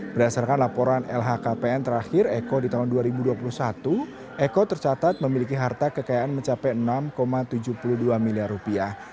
berdasarkan laporan lhkpn terakhir eko di tahun dua ribu dua puluh satu eko tercatat memiliki harta kekayaan mencapai enam tujuh puluh dua miliar rupiah